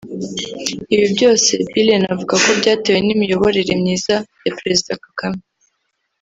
Ibi byose Billen avuga ko byatewe n’imiyoborere myiza ya Perezida Kagame